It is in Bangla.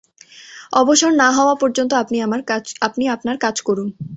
অবসর না হওয়া পর্যন্ত আপনি আপনার কাজ করুন।